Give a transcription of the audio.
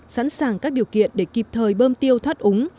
sẵn sàng các điều kiện để kịp thời bơm tiêu thoát úng